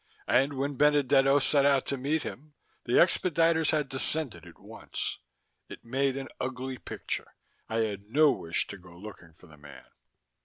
And when Benedetto set out to meet him, the expediters had descended at once. It made an ugly picture. I had no wish to go looking for the man.